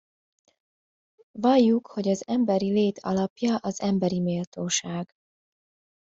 Valljuk, hogy az emberi lét alapja az emberi méltóság.